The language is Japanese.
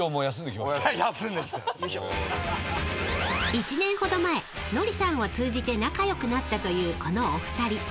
［１年ほど前ノリさんを通じて仲良くなったというこのお二人］